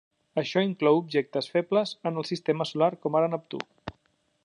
Això inclou objectes febles en el sistema solar, com ara Neptú.